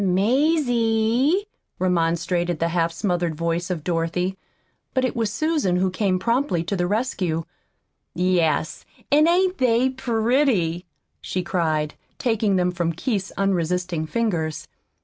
"Mazie!" remonstrated the half smothered voice of Dorothy. But it was Susan who came promptly to the rescue. "Yes, an' ain't they pretty?" she cried, taking them from Keith's unresisting fingers.